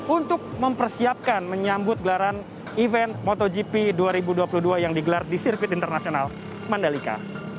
untuk mempersiapkan menyambut gelaran event motogp dua ribu dua puluh dua yang digelar di sirkuit internasional mandalika